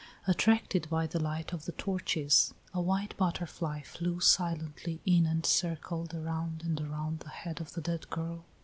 Attracted by the light of the torches, a white butterfly flew silently in and circled around and around the head of the dead girl.